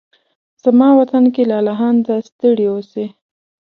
زما وطن کې لالهانده ستړي اوسې